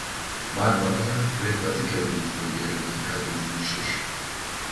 Marmara ve Batı Karadeniz bölgelerinden kaydedilmiştir.